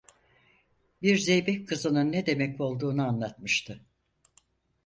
Bir zeybek kızının ne demek olduğunu anlatmıştı.